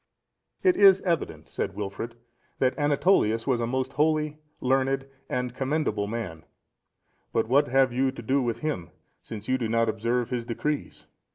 "It is evident," said Wilfrid, "that Anatolius was a most holy, learned, and commendable man; but what have you to do with him, since you do not observe his decrees?